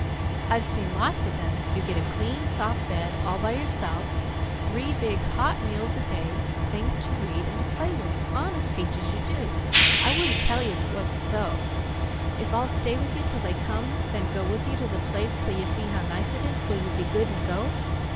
I've seen lots of them. You get a clean soft bed all by yourself, three big hot meals a day, things to read, and to play with. Honest Peaches, you do! I wouldn't tell you if it wasn't so. If I'll stay with you 'til they come, then go with you to the place 'til you see how nice it is, will you be good and go?"